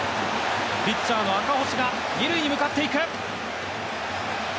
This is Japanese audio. ピッチャーの赤星が二塁に向かっている。